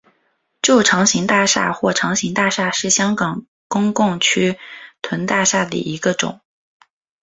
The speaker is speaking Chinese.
旧长型大厦或长型大厦是香港公共屋邨大厦的一种。